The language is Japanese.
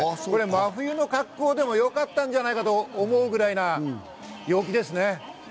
真冬の格好でもよかったんじゃないかと思うぐらいな陽気です。